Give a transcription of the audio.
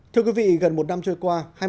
thưa quý vị gần một năm trôi qua